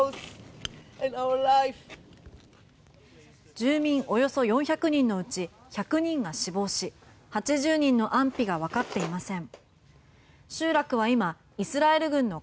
住民およそ４００人のうち１００人が死亡し８０人の安否がわかっていません。